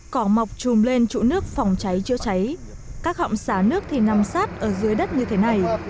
cỏ mọc chùm lên trụ nước phòng cháy chữa cháy các họng xá nước thì nằm sát ở dưới đất như thế này